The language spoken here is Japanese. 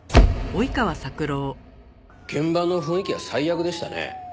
現場の雰囲気は最悪でしたね。